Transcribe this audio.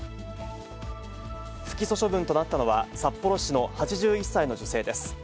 不起訴処分となったのは、札幌市の８１歳の女性です。